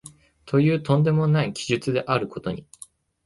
という飛んでもない奇術であることに、